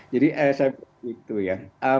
jadi saya begitu ya